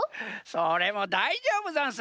それもだいじょうぶざんす。